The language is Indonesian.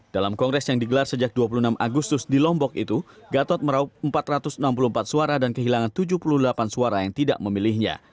dalam kongres yang digelar sejak dua puluh enam agustus di lombok itu gatot meraup empat ratus enam puluh empat suara dan kehilangan tujuh puluh delapan suara yang tidak memilihnya